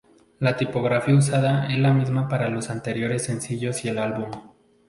La tipografía usada es la misma para los anteriores sencillos y el álbum.